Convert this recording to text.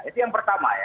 itu yang pertama ya